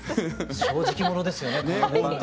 正直者ですよね。